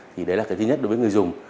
thì đấy là cái thứ nhất đối với người dùng